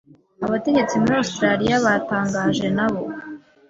Abategetsi muri Australia batangaje nabo